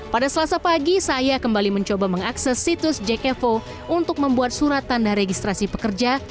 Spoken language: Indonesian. pada selasa pagi saya kembali mencoba mengakses situs jakevo untuk membuat surat tanda registrasi pekerja